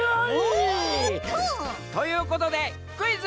おっと！ということで「クイズ！